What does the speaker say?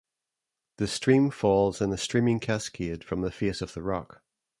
The stream falls in a steaming cascade from the face of the rock.